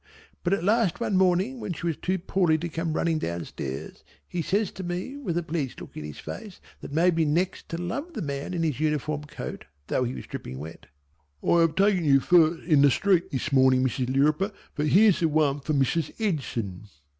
But at last one morning when she was too poorly to come running down stairs he says to me with a pleased look in his face that made me next to love the man in his uniform coat though he was dripping wet "I have taken you first in the street this morning Mrs. Lirriper, for here's the one for Mrs. Edson."